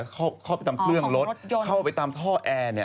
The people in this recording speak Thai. เข้าไปตามเครื่องรถเข้าไปตามท่อแอร์